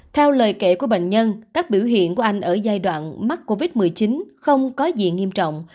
theo lời kể của bệnh nhân các biểu hiện của anh ở giai đoạn mắc covid một mươi chín không có gì nghiêm trọng